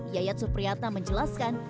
yayat supriyata menjelaskan